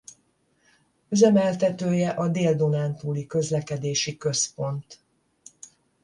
Üzemeltetője a Dél-Dunántúli Közlekedési Központ.